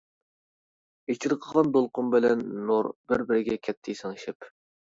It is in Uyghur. ئېچىرقىغان دولقۇن بىلەن نۇر، بىر-بىرىگە كەتتى سىڭىشىپ.